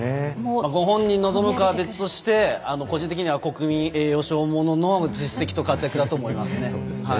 ご本人が望むかどうか別として個人的には国民栄誉賞ものの実績と活躍だと思いますね。